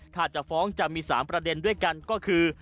ถ้าจะฟ้องจะมี๓ประเด็นด้วยกันก็คือ